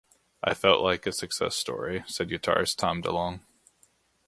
I felt like a success story, said guitarist Tom DeLonge.